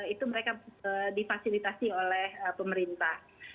itu mereka difasilitasi oleh pemerintah